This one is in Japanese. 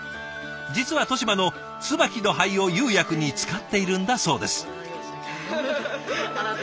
実は利島の椿の灰を釉薬に使っているんだそうです。